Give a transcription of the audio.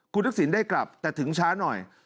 คุณทักษิณได้กลับแต่ถึงช้าหน่อย